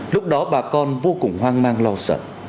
lúc đó bà con vô cùng hoang mang lo sợ